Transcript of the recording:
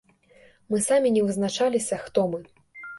Мы самі не вызначыліся, хто мы.